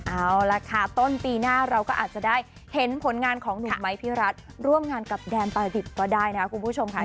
เอาล่ะค่ะต้นปีหน้าเราก็อาจจะได้เห็นผลงานของหนุ่มไม้พี่รัฐร่วมงานกับแดนประดิษฐ์ก็ได้นะคุณผู้ชมค่ะ